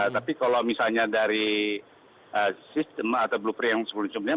tapi kalau misalnya dari sistem atau blueprint yang sebelumnya